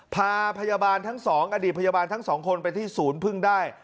พาพยาบาลทั้งสองอดีตพยาบาลทั้งสองคนไปที่ศูนย์พึ่งได้